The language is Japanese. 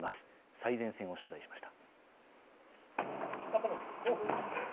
最前線を取材しました。